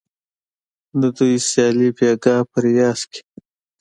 د دوی سیالي بیګا په ریاض کې